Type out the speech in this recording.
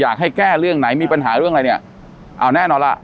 อยากให้แก้เรื่องไหนมีปัญหาเรื่องอะไรเนี่ยเอาแน่นอนล่ะ